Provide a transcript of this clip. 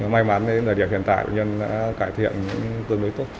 may mắn là địa điểm hiện tại bệnh nhân đã cải thiện tương đối tốt